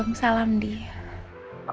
wormnya malah nelpon